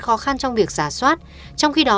khó khăn trong việc giả soát trong khi đó